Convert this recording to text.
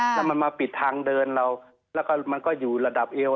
และมันมาปิดทางเดินแล้วก็อยู่ระดับเอว